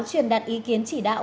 truyền đặt ý kiến chỉ đạo